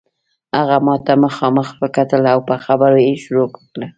هغه ماته مخامخ وکتل او په خبرو یې شروع وکړه.